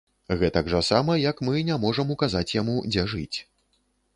Гэтак жа сама, як мы не можам указаць яму, дзе жыць.